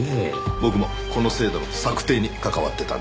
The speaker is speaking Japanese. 僕もこの制度の策定に関わってたんで。